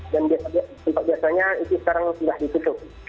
dan sempat biasanya itu sekarang sudah ditutup